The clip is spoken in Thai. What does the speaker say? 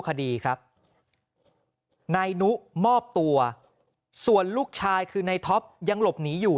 คดีครับนายนุมอบตัวส่วนลูกชายคือนายท็อปยังหลบหนีอยู่